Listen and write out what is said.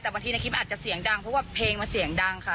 แต่บางทีในคลิปมันอาจจะเสียงดังเพราะว่าเพลงมันเสียงดังค่ะ